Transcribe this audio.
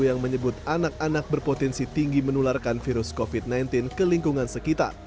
yang menyebut anak anak berpotensi tinggi menularkan virus covid sembilan belas ke lingkungan sekitar